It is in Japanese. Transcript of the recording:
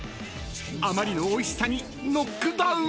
［あまりのおいしさにノックダウン？］